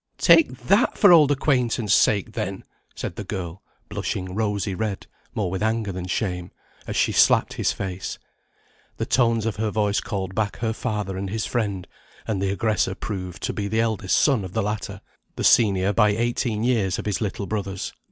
"Take that for old acquaintance sake, then," said the girl, blushing rosy red, more with anger than shame, as she slapped his face. The tones of her voice called back her father and his friend, and the aggressor proved to be the eldest son of the latter, the senior by eighteen years of his little brothers.